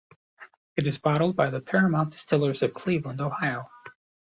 It is bottled by the Paramount Distillers of Cleveland, Ohio.